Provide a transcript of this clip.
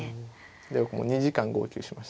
で僕もう２時間号泣しました。